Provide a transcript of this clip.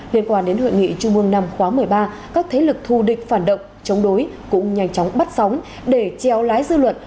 liên quan đến hội nghị trung mương năm khóa một mươi ba các thế lực thù địch phản động chống đối cũng nhanh chóng bắt sóng để treo lái dư luận